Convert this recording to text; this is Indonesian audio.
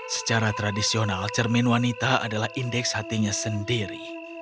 secara tradisional cermin wanita adalah indeks hatinya sendiri